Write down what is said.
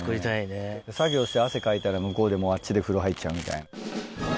作業して汗かいたらあっちで風呂入っちゃうみたいな。